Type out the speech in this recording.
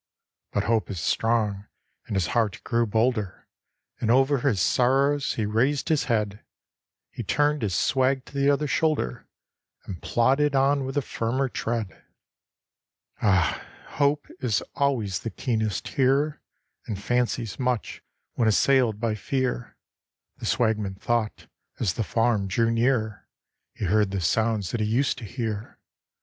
But hope is strong, and his heart grew bolder, And over his sorrows he raised his head, He turned his swag to the other shoulder, And plodded on with a firmer tread. Ah, hope is always the keenest hearer, And fancies much when assailed by fear; The swagman thought, as the farm drew nearer, He heard the sounds that he used to hear.